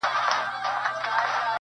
ویډیو مې وکړه